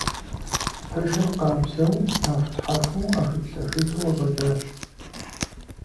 Пэшыр къабзэу нэхутхьэхуу Ӏэхуитлъэхуиту къыщӀэкӀащ.